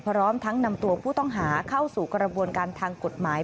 พร้อมทั้งนำตัวผู้ต้องหาเข้าสู่กระบวนการทางกฎหมาย